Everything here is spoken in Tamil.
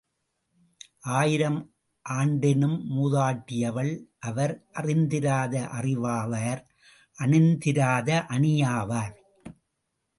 ஆயிரம் ஆண்டெனும் மூதாட்டியவள் அவர் அறிந்திராத அறிவாவார் அணிந்திராத அணியாவார்!